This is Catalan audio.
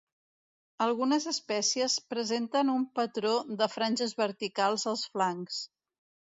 Algunes espècies presenten un patró de franges verticals als flancs.